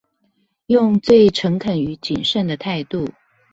用最誠懇與謹慎的態度